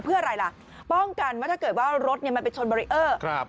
เพื่ออะไรล่ะป้องกันว่าถ้าเกิดว่ารถเนี่ยมันไปชนบารีเออร์ครับ